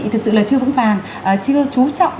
thực sự là chưa vững vàng chưa chú trọng